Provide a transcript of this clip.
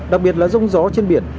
đặc biệt là rông gió trên biển